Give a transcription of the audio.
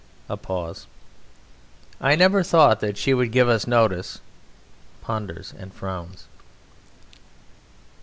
(A pause.) I never thought that she would give us notice. (_Ponders and frowns.